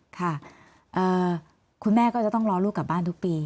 ค่ะคุณแม่ก็จะต้องรอลูกกลับบ้านทุกปี